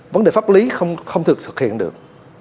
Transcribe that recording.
vấn đề pháp lý không thực hiện được